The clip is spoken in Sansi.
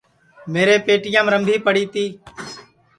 میرے پیٹیام رمبھی پڑی تی